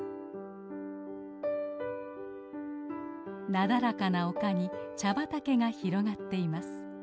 なだらかな丘に茶畑が広がっています。